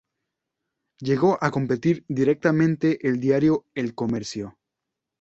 Llegó a competir directamente con el diario "El Comercio".